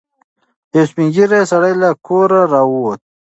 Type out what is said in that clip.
یو سپین ږیری سړی له کوره راووت.